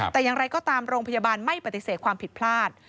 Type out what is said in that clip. แต่อย่างไรก็ตามโรงพยาบาลไม่ปฏิเสธความผิดพลาด